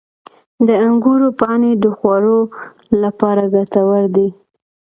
• د انګورو پاڼې د خوړو لپاره ګټور دي.